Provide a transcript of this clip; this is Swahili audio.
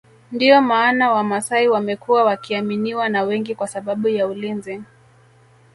Ndio maana wamasai wamekuwa wakiaminiwa na wengi kwa sababu ya ulinzi